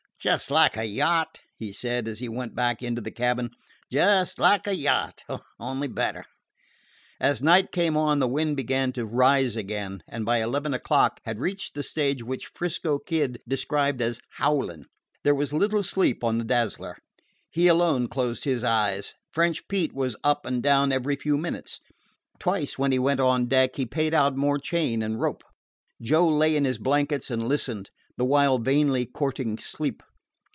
"Just like a yacht," he said as he went back into the cabin. "Just like a yacht, only better." As night came on the wind began to rise again, and by eleven o'clock had reached the stage which 'Frisco Kid described as "howlin'." There was little sleep on the Dazzler. He alone closed his eyes. French Pete was up and down every few minutes. Twice, when he went on deck, he paid out more chain and rope. Joe lay in his blankets and listened, the while vainly courting sleep.